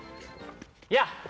いや！